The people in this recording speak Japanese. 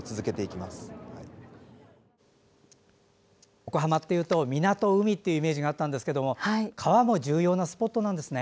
横浜というと港、海というイメージがあったんですが川も重要なスポットなんですね。